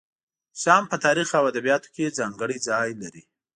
شام په تاریخ او ادبیاتو کې ځانګړی ځای لري.